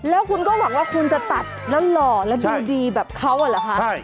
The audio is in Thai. แล้วคุณก็หวังว่าคุณจะตัดแล้วหล่อแล้วดูดีแบบเขาอะเหรอคะ